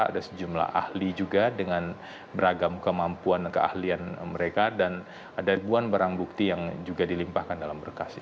ada sejumlah ahli juga dengan beragam kemampuan dan keahlian mereka dan ada ribuan barang bukti yang juga dilimpahkan dalam berkas